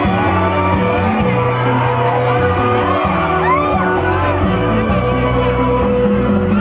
สวัสดีสวัสดี